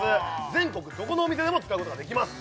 全国どこのお店でも使うことができます